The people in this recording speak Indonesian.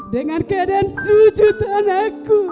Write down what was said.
dengan keadaan sujud anakku